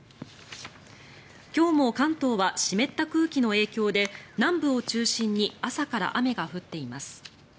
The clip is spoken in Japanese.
今日も関東は湿った空気の影響で南部を中心に朝から雨が降っています。